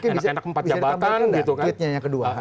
enak enak empat jabatan gitu kan